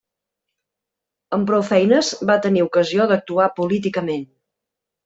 Amb prou feines, va tenir ocasió d'actuar políticament.